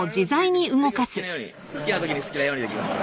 好きなように好きな時に好きなようにできます